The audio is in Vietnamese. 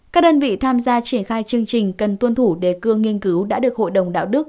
các đơn vị tham gia triển khai chương trình cần tuân thủ đề cương nghiên cứu đã được hội đồng đạo đức